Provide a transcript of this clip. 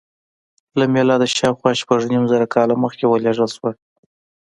له میلاده شاوخوا شپږ نیم زره کاله مخکې ولېږدول شوه.